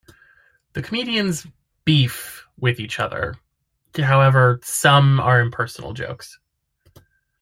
The comedians "beef" with each other; however, some are impersonal jokes.